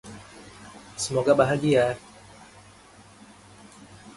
Semoga bahagia!